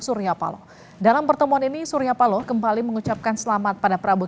suryapalo dalam pertemuan ini suryapalo kembali mengucapkan selamat pada prabowo